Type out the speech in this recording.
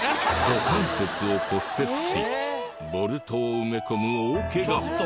股関節を骨折しボルトを埋め込む大ケガ。